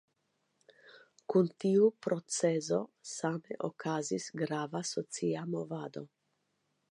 Kun tiu procezo same okazis grava socia movado.